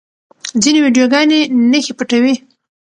ځینې ویډیوګانې نښې پټوي.